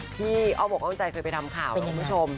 ที่อ้อมอกอ้อมใจเคยไปทำข่าวนะคุณผู้ชม